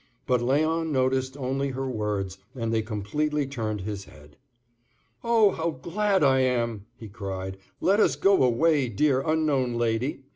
But Léon noticed only her words, and they completely turned his head. "Oh, how glad I am!" he cried. "Let us go away, dear, unknown Lady.